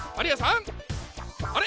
あれ！？